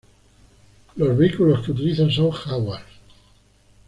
Los vehículos que utilizan son Jaguar.